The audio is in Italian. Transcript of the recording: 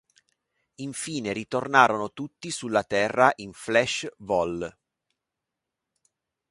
Infine, ritornarono tutti sulla Terra in "Flash" vol.